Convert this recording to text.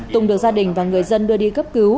tùng được gia đình và người dân đưa đi cấp cứu